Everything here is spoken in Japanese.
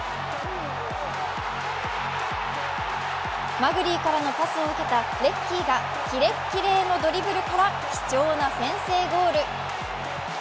マグリーからのパスを受けたレッキーがキレッキレのドリブルから貴重な先制ゴール。